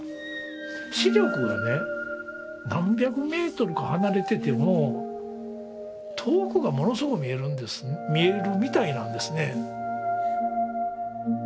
視力がね何百メートルか離れてても遠くがものすごく見えるみたいなんですね。